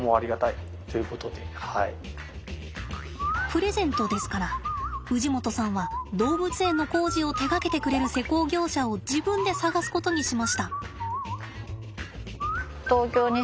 プレゼントですから氏夲さんは動物園の工事を手がけてくれる施工業者を自分で探すことにしました。